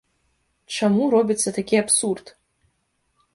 Чаму робіцца такі абсурд?